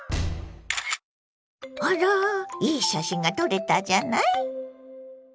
あらいい写真が撮れたじゃない。